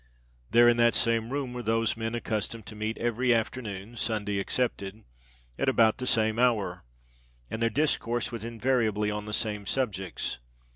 There, in that same room, were those men accustomed to meet every afternoon (Sunday excepted), at about the same hour; and their discourse was invariably on the same subjects.